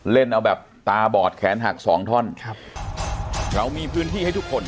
เล่นเอาแบบตาบอดแขนหักสองท่อนครับเรามีพื้นที่ให้ทุกคน